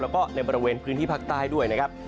แล้วก็ในบริเวณพื้นที่ภาคใต้ด้วยนะครับ